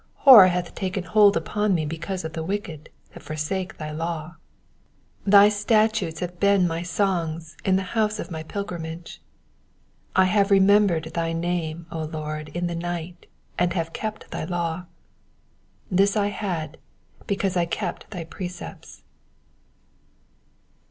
53 Horror hath taken hold upon me because of the wicked that forsake thy law. 54 Thy statutes have been my songs in the house of my pil grimage. 55 I have remembered thy name, O Lord, in the night, and have kept thy law. 56 This I had, because I kept thy precepts.